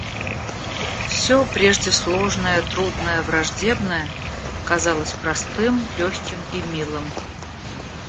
Всё прежде сложное, трудное, враждебное казалось простым, легким и милым.